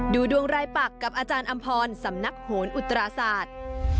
ดูดวงรายปักกับอาจารย์อำพรสำนักโหนอุตราศาสตร์